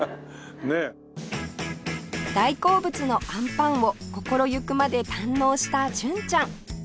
大好物のあんパンを心ゆくまで堪能した純ちゃん